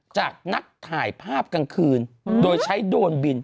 จากนักถ่ายภาพกลางคืนโดยใช้โดรนบิน